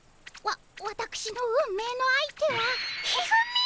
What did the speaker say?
わわたくしの運命の相手は一二三！？